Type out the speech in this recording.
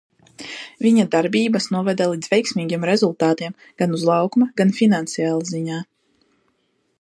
Viņa darbības noveda līdz veiksmīgiem rezultātiem gan uz laukuma, gan finansiālā ziņā.